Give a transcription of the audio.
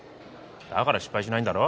だから失敗しないんだろ？